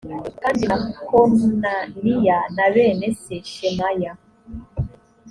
kandi na konaniya na bene se shemaya